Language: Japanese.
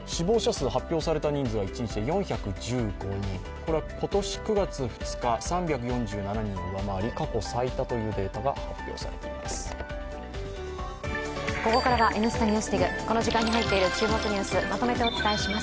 これは今年９月２日、３４７人を上回る過去最多というデータが発表されています。